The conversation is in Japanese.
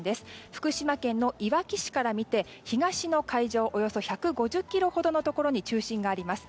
福島県のいわき市から見て東の海上およそ１５０ｋｍほどのところに中心があります。